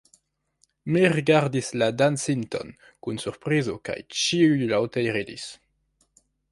Mi rigardis la dancinton kun surprizo kaj ĉiuj laŭte ridis.